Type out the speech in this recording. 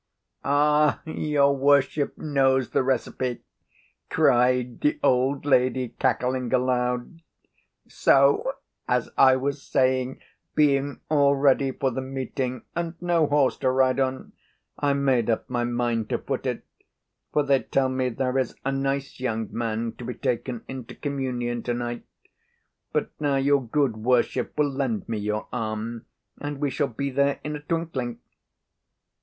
"Ah, your worship knows the recipe," cried the old lady, cackling aloud. "So, as I was saying, being all ready for the meeting, and no horse to ride on, I made up my mind to foot it; for they tell me there is a nice young man to be taken into communion to night. But now your good worship will lend me your arm, and we shall be there in a twinkling."